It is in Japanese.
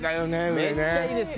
めっちゃいいですよ！